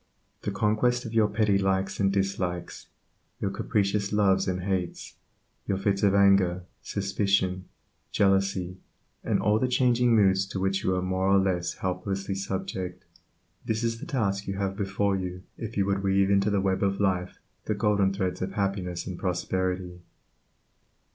The conquest of your petty likes and dislikes, your capricious loves and hates, your fits of anger, suspicion, jealousy, and all the changing moods to which you are more or less helplessly subject, this is the task you have before you if you would weave into the web of life the golden threads of happiness and prosperity.